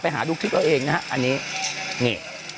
ไปหาดูคลิปเราเองนะฮะอันนี้